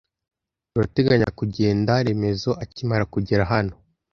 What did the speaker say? Turateganya kugenda Remezo akimara kugera hano.